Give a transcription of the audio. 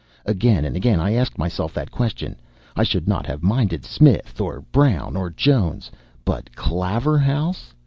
Again and again I asked myself that question. I should not have minded Smith, or Brown, or Jones—but CLAVERHOUSE!